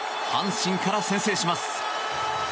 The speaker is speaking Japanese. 阪神から先制します。